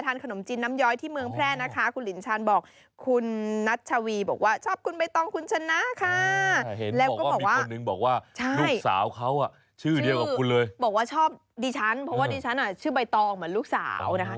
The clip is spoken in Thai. บอกว่าชอบดีฉันเพราะว่าดีฉันน่ะชื่อใบตองเหมือนลูกสาว